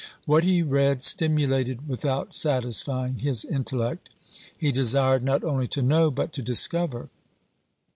What he read stimulated without satisfying his intellect. He desired not only to know, but to discover.